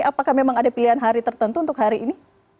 apakah memang ada pilihan hari tertentu untuk hari ini